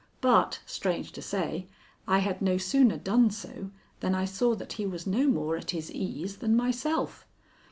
But, strange to say, I had no sooner done so than I saw that he was no more at his ease than myself.